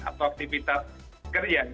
atau aktivitas kerja